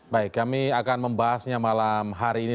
baik kami akan membahasnya malam hari ini